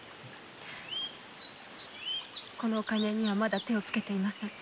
このお金にはまだ手をつけていません。